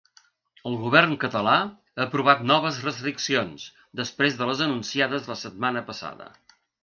El govern català ha aprovat noves restriccions, després de les anunciades la setmana passada.